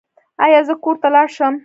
ایا زه کور ته لاړ شم؟